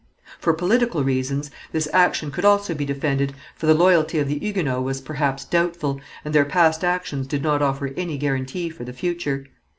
For political reasons this action could also be defended, for the loyalty of the Huguenots was, perhaps, doubtful, and their past actions did not offer any guarantee for the future.